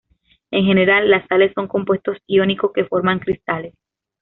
En general, las sales son compuestos iónicos que forman cristales.